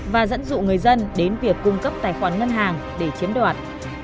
và dẫn dụ người dân đến việc cung cấp tài khoản ngân hàng để chiếm đoạt